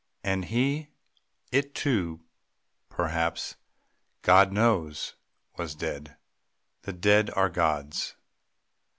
And he It too, perhaps (God knows!) was dead. The dead are God's.